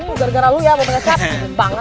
ini gara gara lu ya bapak kacat